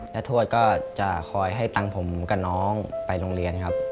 ทวดก็จะคอยให้ตังค์ผมกับน้องไปโรงเรียนครับ